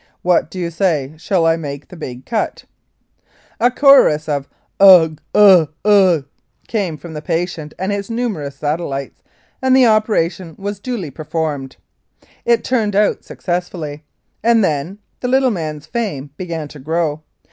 What do you say ? Shall I make the big cut ?" A chorus of "Ugh, ugh, ugh," came from the patient and his numerous satellites, and the operation was duly per formed. It turned out successfully, and then "the little man's " fame began to grow.